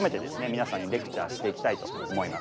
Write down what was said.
皆さんにレクチャーしていきたいと思います。